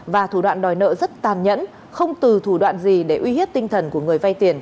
và thủ đoạn đòi nợ rất tàn nhẫn không từ thủ đoạn gì để uy hiếp tinh thần của người vay tiền